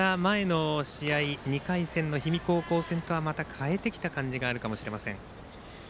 また前の試合２回戦の氷見高校戦とはまた変えてきた感じがあるかもしれません。